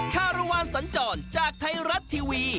คารวาลสัญจรจากไทยรัฐทีวี